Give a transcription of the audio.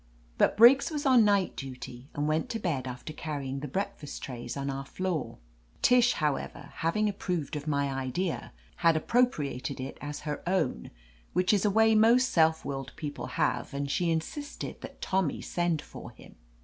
But Briggs was on night duty, and went to bed after carrying the breakfast trays on our floor. Tish, however, having approved of my idea, had appropriated it as her own — which is a way most self willed people have, and she in sisted that Tommy send for him.